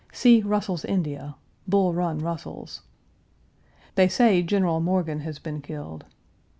See Russell's India Bull Run Russell's. They say General Morgan has been killed.